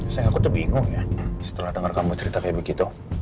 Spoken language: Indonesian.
sayang aku tuh bingung ya setelah dengar kamu cerita kayak begitu